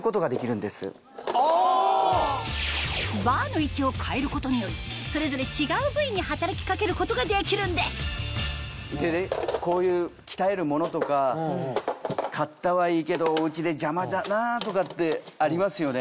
バーの位置を変えることによりそれぞれ違う部位に働き掛けることができるんですこういう鍛えるものとか買ったはいいけどお家で邪魔だなぁとかってありますよね？